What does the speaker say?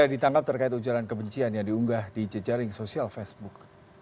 ditangkap terkait ujaran kebencian yang diunggah di jejaring sosial facebook